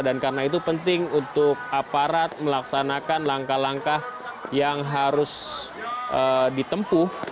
dan karena itu penting untuk aparat melaksanakan langkah langkah yang harus ditempuh